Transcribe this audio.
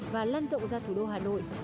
và lan rộng ra thủ đô hà nội